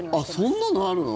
そんなのあるの？